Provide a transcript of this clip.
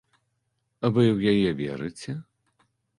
Вы ў яе верыце?